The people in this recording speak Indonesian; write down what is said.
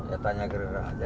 ya tanya gerinda aja